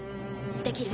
できる？